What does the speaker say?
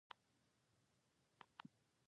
دوی د اسلام د بدنامۍ لپاره ګومارلي خوارج وپلورل.